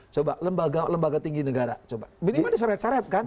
coba lembaga tinggi negara coba minimal diseret seret kan